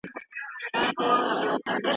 بهرنۍ پالیسي له ازادۍ دفاع کوي.